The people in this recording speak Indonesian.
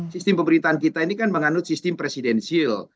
sistem pemerintahan kita ini kan menganut sistem presidensil